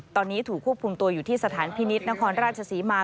ตอนนี้ถูกควบคุมตัวอยู่ที่สถานพินิษฐ์นครราชศรีมา